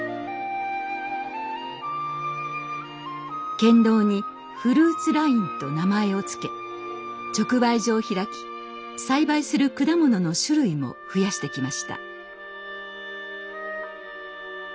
県道に「フルーツライン」と名前を付け直売所を開き栽培する果物の種類も増やしてきました。